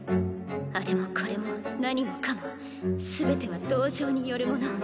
あれもこれも何もかも全ては同情によるもの。